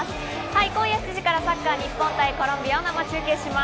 今夜７時からサッカー、日本対コロンビアを生中継します。